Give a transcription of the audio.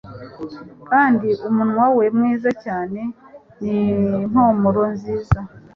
Kandi umunwa we mwiza cyane ni impumuro nziza